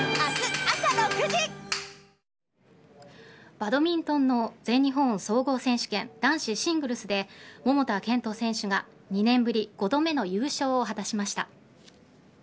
バドミントンの全日本総合選手権男子シングルスで桃田賢斗選手が２年ぶり５度目の優勝を果たしました。